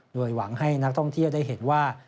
โดยหวังให้นักท่องเที่ยวได้เห็นว่า